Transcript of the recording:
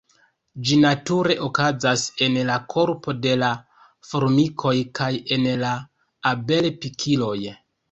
Ĝi nature okazas en la korpo de la formikoj kaj en la abel-pikiloj.